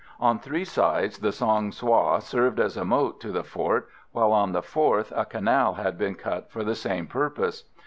On three sides the Song Soï served as a moat to the fort, while on the fourth a canal had been cut for the same purpose.